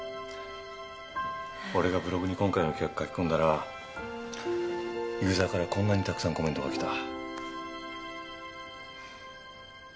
俺がブログに今回の企画書き込んだらユーザーからこんなにたくさんコメントが来た。